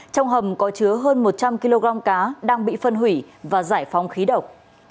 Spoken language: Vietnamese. trong hầm có chứa hơn một trăm linh kg cá đang bị phân hủy và giải phóng khí độc